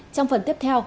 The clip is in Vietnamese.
trong phần tiếp theo